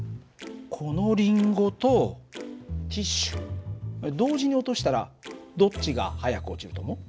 このリンゴとティッシュ同時に落としたらどっちが速く落ちると思う？